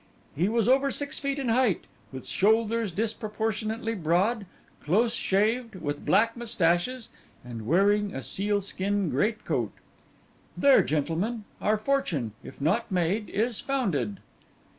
He was over six feet in height, with shoulders disproportionately broad, close shaved, with black moustaches, and wearing a sealskin great coat." There, gentlemen, our fortune, if not made, is founded.